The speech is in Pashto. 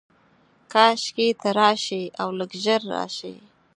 کاشکي ته راشې، اولږ ژر راشې